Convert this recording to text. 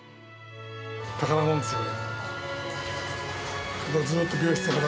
宝物ですよ、これ。